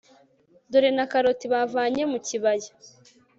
dore na karoti bavanye mu kibaya